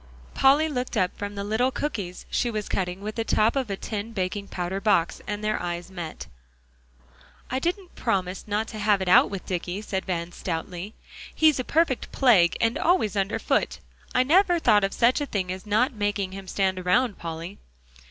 Polly looked up from the little cookies she was cutting with the top of a tin baking powder box and their eyes met. "I didn't promise not to have it out with Dicky," said Van stoutly. "He's a perfect plague, and always under foot. I never thought of such a thing as not making him stand around, Polly."